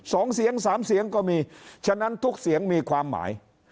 สองเสียงสามเสียงก็มีฉะนั้นทุกเสียงมีความหมาย